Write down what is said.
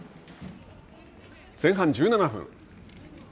前半１７分。